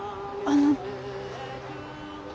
あの。